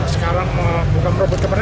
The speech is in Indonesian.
sekarang bukan merebut kemerdekaan